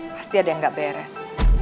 pasti ada yang gak beres